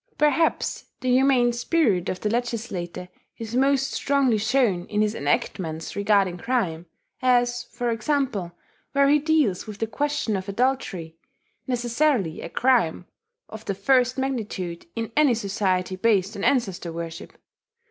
Perhaps the humane spirit of the legislator is most strongly shown in his enactments regarding crime, as, for example, where he deals with the question of adultery necessarily a crime of the first magnitude in any society based on ancestor worship.